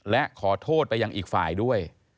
และขอโทษไปยังอีกฝ่ายด้วย